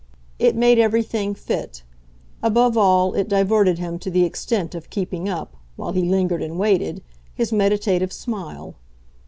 It made everything fit; above all it diverted him to the extent of keeping up, while he lingered and waited, his meditative smile.